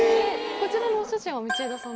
こちらのお写真は道枝さんの。